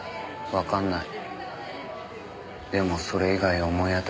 わかんない。